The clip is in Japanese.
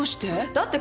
だって